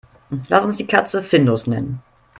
Lass uns die Katze Findus nennen.